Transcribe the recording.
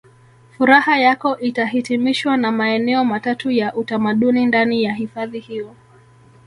Furaha yako itahitimishwa na maeneo matatu ya utamaduni ndani ya hifadhi hiyo